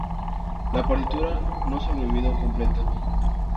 La partitura no ha sobrevivido completa.